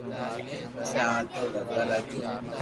پسي آٽتما بجوا لاگي